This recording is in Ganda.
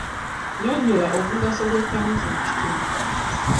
Nnyonyola omugaso gw'ekkanisa mu kitundu.